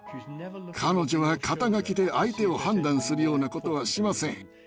彼女は肩書で相手を判断するようなことはしません。